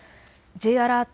Ｊアラート